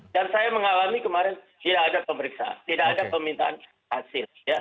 dan saya mengalami kemarin tidak ada pemeriksaan tidak ada permintaan hasil